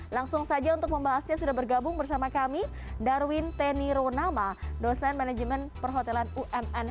langsung saja untuk membahasnya sudah bergabung bersama kami darwin tenironama dosen manajemen perhotelan umn